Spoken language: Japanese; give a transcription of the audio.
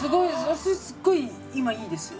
それすごい今いいですよ